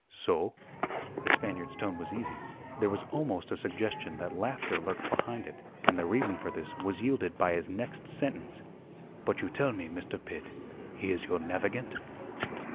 "So?" The Spaniard's tone was easy; there was almost a suggestion that laughter lurked behind it, and the reason for this was yielded by his next sentence. "But you tell me Mr. Pitt he is your navigant?"